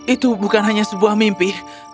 itu bukan hanya sebuah mimpi